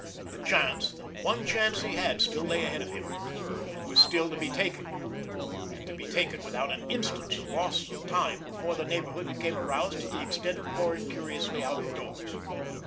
The chance, the one chance he had, still lay ahead of him, and was still to be taken—and to be taken without an instant's loss of time before the neighborhood became aroused to the extent of pouring curiously out of doors.